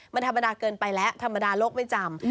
มันธรรมดาเกินไปแล้วธรรมดาโลกไม่จำ